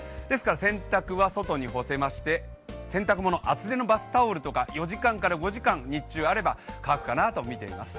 洗濯は外に干せまして洗濯物、厚手のバスタオルなど４時間から５時間、日中あれば乾くかなとみています。